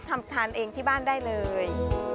ทำทานเองที่บ้านได้เลย